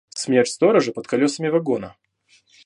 Смерть сторожа под колесами вагона.